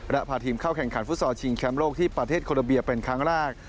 และพาทีมเข้าแข่งขันฟุตซอลชิงแชมป์โลกที่ประเทศโคโลเบียเป็นครั้งแรก